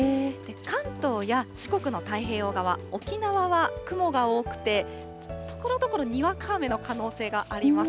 関東や四国の太平洋側、沖縄は雲が多くて、ところどころ、にわか雨の可能性があります。